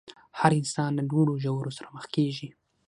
هر انسان له لوړو ژورو سره مخ کېږي.